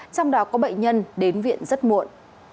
trong đó có bệnh nhân đến viện rất muộn